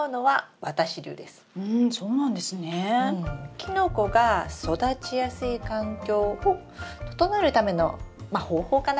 キノコが育ちやすい環境を整えるためのまあ方法かな？